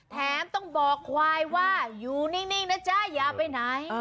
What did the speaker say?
แถมต้องบอกควายว่าอยู่นิ่งนะจ๊ะอย่าไปไหน